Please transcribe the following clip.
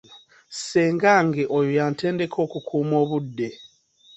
Ssengange oyo yantendeka okukuuma obudde.